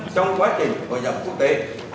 trong quá trình hội dập quốc tế